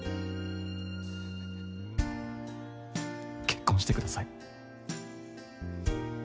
結婚してください。